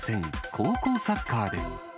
高校サッカーで。